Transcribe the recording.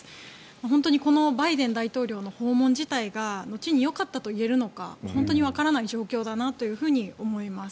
本当にこのバイデン大統領の訪問自体が後によかったといえるのかわからない状況だなと思います。